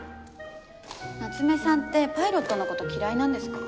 夏目さんってパイロットの事嫌いなんですか？